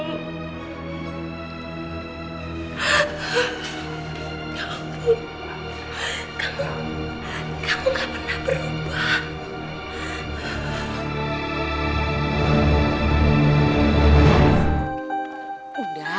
gak pernah berubah